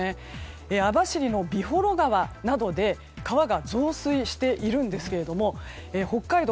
網走の美幌川などで川が増水しているんですが北海道